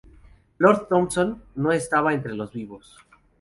Lord Thomson no estaba entre los vivos.